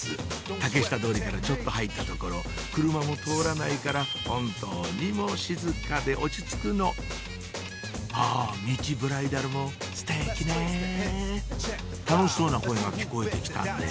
竹下通りからちょっと入った所車も通らないから本当にもう静かで落ち着くのあミチブライダルもステキね楽しそうな声が聞こえて来たね